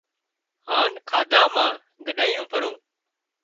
هانَ کاڌا مان ڳڏايو پرو